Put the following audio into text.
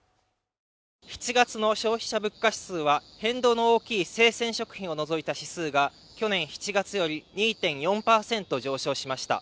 ７月の消費者物価指数は変動の大きい生鮮食品を除いた指数が去年７月より２．４％上昇しました